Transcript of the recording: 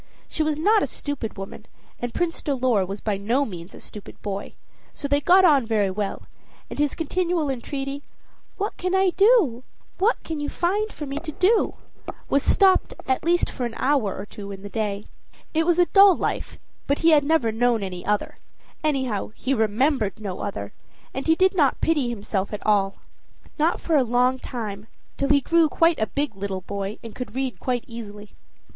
She was not a stupid woman, and Prince Dolor was by no means a stupid boy; so they got on very well, and his continual entreaty, "What can I do? what can you find me to do?" was stopped, at least for an hour or two in the day. It was a dull life, but he had never known any other; anyhow, he remembered no other, and he did not pity himself at all. Not for a long time, till he grew quite a big little boy, and could read quite easily.